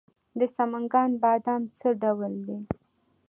د سمنګان بادام څه ډول دي؟